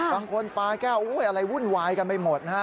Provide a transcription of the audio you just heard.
บางคนปลาแก้วอะไรวุ่นวายกันไปหมดนะฮะ